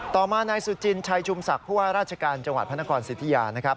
ต่อมานายสุจินชัยชุมศักดิ์ผู้ว่าราชการจังหวัดพระนครสิทธิยานะครับ